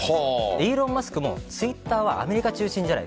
イーロン・マスクもＴｗｉｔｔｅｒはアメリカ中心じゃない。